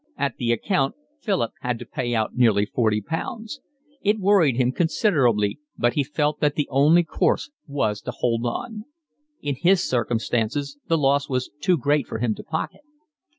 At the account Philip had to pay out nearly forty pounds. It worried him considerably, but he felt that the only course was to hold on: in his circumstances the loss was too great for him to pocket.